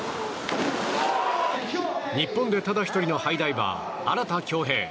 日本でただ１人のハイダイバー荒田恭兵。